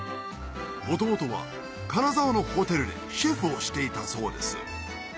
元々は金沢のホテルでシェフをしていたそうです